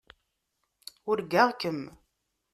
Urgaɣ-kem.